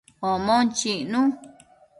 Omon chicnu